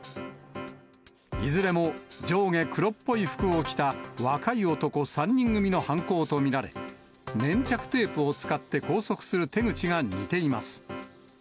いずれも、上下黒っぽい服を着た若い男３人組の犯行と見られ、粘着テープを使って拘束する手口が似ています。